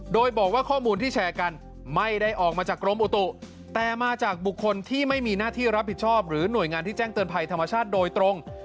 โดยบอกว่าข้อมูลที่แชร์กันไม่ได้ออกมาจากกรมอุตุแต่มาจากบุคคลที่ไม่มีหน้าที่รับผิดชอบหรือหน่วยงานที่แจ้งเตือนภัยธรรมชาติโดยตรง